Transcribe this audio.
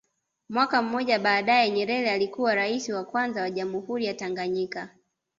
Mwaka mmoja baadae Nyerere alikuwa raisi wa kwanza wa jamhuri ya Tanganyika